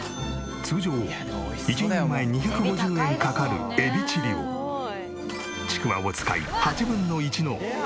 通常１人前２５０円かかるエビチリをちくわを使い８分の１の２８円に節約。